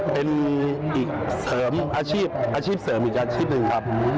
เป็นอีกเสริมอาชีพอาชีพเสริมอีกอาชีพหนึ่งครับ